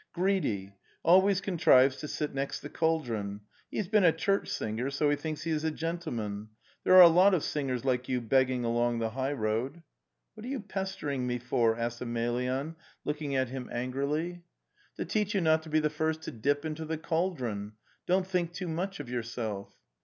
"Greedy! always contrives to sit next the cauldron. He's been a church singer, so he thinks he is a gentleman! 'There are a lot of singers like you begging along the highroad! " "What are you pestering me for?"' asked Emel yan, looking at him angrily. The Steppe 269. 'To teach you not to be the first to dip into the cauldron. Don't think too much of yourself!